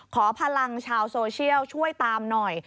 ขอพลังชาวโซเชียลช่วยตามหน่อย